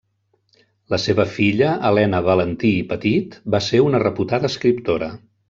La seva filla Helena Valentí i Petit, va ser una reputada escriptora.